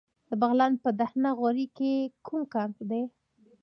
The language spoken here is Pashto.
د بغلان په دهنه غوري کې کوم کان دی؟